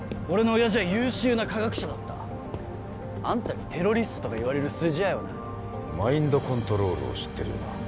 俺の親父は優秀な科学者だったあんたにテロリストとか言われる筋合いはないマインドコントロールを知ってるよな？